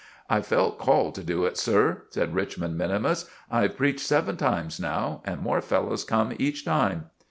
"I felt called to do it, sir," said Richmond minimus. "I've preached seven times now, and more fellows come each time."